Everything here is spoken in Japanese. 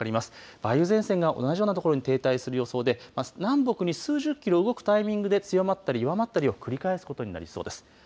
梅雨前線が同じようなところに停滞する予想で南北に数十キロ動くタイミングで強まったり弱まったりを繰り返すことになりそうです。